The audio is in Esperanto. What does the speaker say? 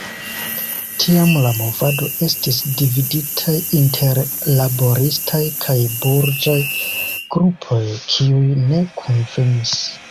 Tiam la movado estis dividitaj inter laboristaj kaj burĝaj grupoj, kiuj ne kunvenis.